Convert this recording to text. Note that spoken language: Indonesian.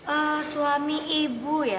eh suami ibu ya